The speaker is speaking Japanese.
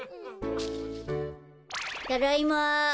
ただいま。